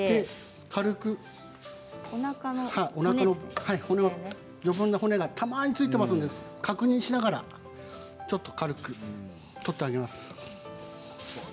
軽くおなかの余分な骨がたまについていますので確認しながらちょっと軽く取ってあげます。